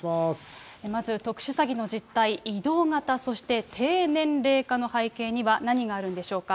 まず、特殊詐欺の実態、移動型、そして低年齢化の背景には何があるんでしょうか。